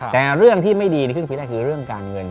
แต่เรื่องที่ไม่ดีในครึ่งปีแรกคือเรื่องการเงิน